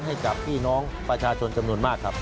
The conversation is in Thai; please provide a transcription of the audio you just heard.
ให้กับพี่น้องประชาชนจำนวนมากครับ